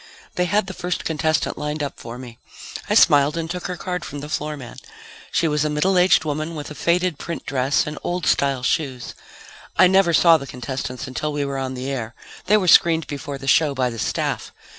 They had the first contestant lined up for me. I smiled and took her card from the floor man. She was a middle aged woman with a faded print dress and old style shoes. I never saw the contestants until we were on the air. They were screened before the show by the staff.